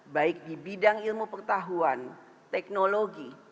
baik di bidang ilmu pengetahuan teknologi